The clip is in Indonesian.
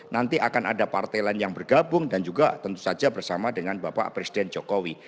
nanti akan ada partai lain yang bergabung dan juga tentu saja bersama dengan bapak presiden jokowi